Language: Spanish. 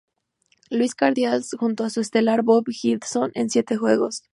Louis Cardinals junto a su estelar Bob Gibson en siete juegos.